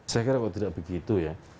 saya kira kalau tidak begitu ya